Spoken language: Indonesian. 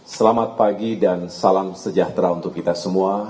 selamat pagi dan salam sejahtera untuk kita semua